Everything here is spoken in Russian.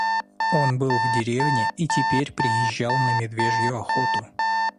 Он был в деревне и теперь приезжал на медвежью охоту.